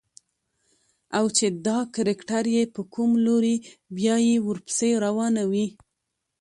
او چې دا کرکټر يې په کوم لوري بيايي ورپسې روانه وي.